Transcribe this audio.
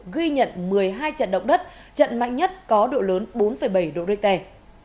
ghi nhận một mươi hai trận động đất trận mạnh nhất có độ lớn bốn bảy độ richter